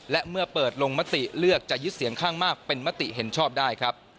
และเมื่อเปิดลงมติเลือกจะยึดเสียงข้างมากเป็นมติเห็นชอบได้ครับ